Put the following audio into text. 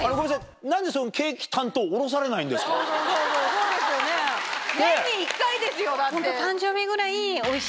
そうですよね・・年に１回ですよだって・みんな。